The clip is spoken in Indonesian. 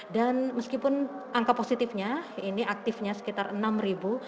dan meskipun angka positifnya ini aktifnya sekitar enam ribu